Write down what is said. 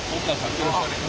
よろしくお願いします。